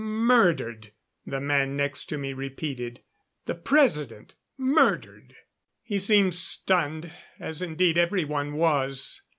"Murdered," the man next to me repeated. "The President murdered." He seemed stunned, as indeed everyone was.